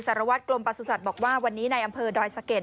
สารวัตรกลมประสุทธิ์บอกว่าวันนี้ในอำเภอดอยสะเก็ด